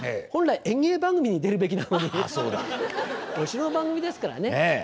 本来演芸番組に出るべきなのにお城の番組ですからね。